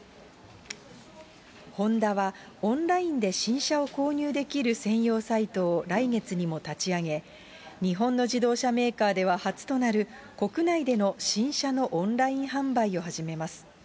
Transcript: ホンダは、オンラインで新車を購入できる専用サイトを来月にも立ち上げ、日本の自動車メーカーでは初となる国内での新車のオンライン販売を始めます。